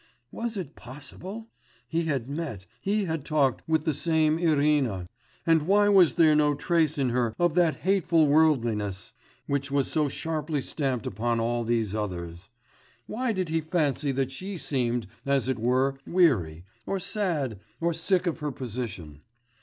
Was it possible? he had met, he had talked with the same Irina.... And why was there no trace in her of that hateful worldliness which was so sharply stamped upon all these others. Why did he fancy that she seemed, as it were, weary, or sad, or sick of her position?